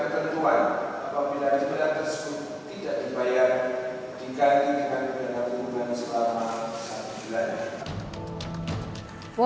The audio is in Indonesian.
dikaitkan dengan pidana penjara selama satu bulan